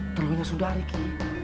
tolongin sundari ki